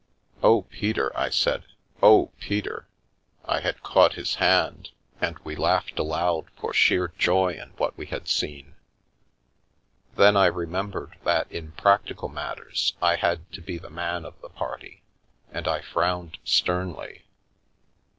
" Oh, Peter I " I said, « oh, Peter !" I had caught his hand, and we laughed aloud for sheer joy in what we had seen. Then I remembered that in practical matters I had to be the man of the party, and I frowned sternly.